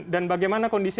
dan bagaimana kondisi